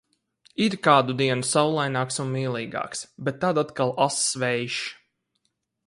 Ir kādu dienu saulaināks un mīlīgāks, bet tad atkal ass vējš.